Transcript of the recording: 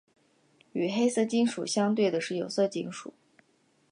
与黑色金属相对的是有色金属。